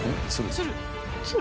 鶴？